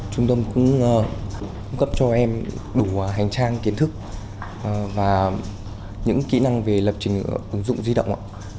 trung tâm cũng cung cấp cho em đủ hành trang kiến thức và những kỹ năng về lập trình ứng dụng di động ạ